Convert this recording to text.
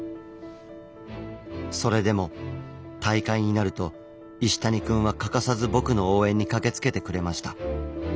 それでも大会になると石谷くんは欠かさず僕の応援に駆けつけてくれました。